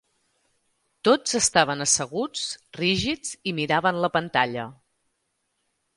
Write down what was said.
Tots estaven asseguts, rígids, i miraven la pantalla.